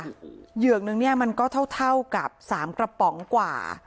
เหยือกหนึ่งก็เท่ากับ๓กระป๋องกว่า